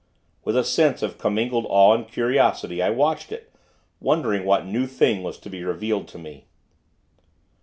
With a sense of commingled awe and curiosity, I watched it, wondering what new thing was to be revealed to me.